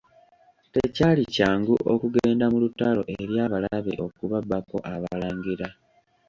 Tekyali kyangu okugenda mu lutalo eri abalabe okubabbako abalangira.